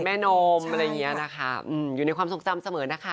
เป็นแม่นมอยู่ในความทรงจำเสมอนะคะ